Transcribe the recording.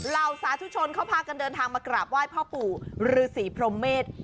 สาธุชนเขาพากันเดินทางมากราบไหว้พ่อปู่ฤษีพรมเมษ